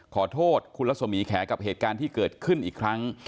ขอโทษคุณรัศมีแขกับเหตุการณ์ที่เกิดขึ้นอีกครั้ง